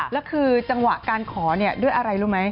แล้วคือจังหวะการขอด้วยอะไรรู้ไหม